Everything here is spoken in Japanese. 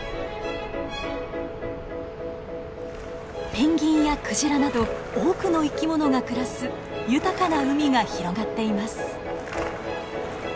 ペンギンやクジラなど多くの生き物が暮らす豊かな海が広がっています。